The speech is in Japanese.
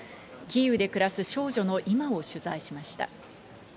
キーウで暮らす少女の今を取材しました。